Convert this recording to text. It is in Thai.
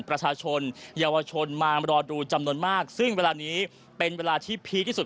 ประชาชนเยาวชนมารอดูจำนวนมากซึ่งเวลานี้เป็นเวลาที่พีคที่สุด